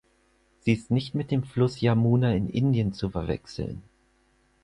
Sie ist nicht mit dem Fluss Yamuna in Indien zu verwechseln.